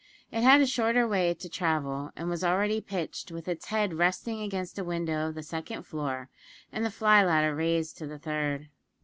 It had a shorter way to travel, and was already pitched, with its head resting against a window of the second floor, and the fly ladder raised to the third.